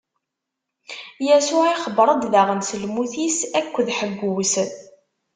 Yasuɛ ixebbeṛ-d daɣen s lmut-is akked ḥeggu-s.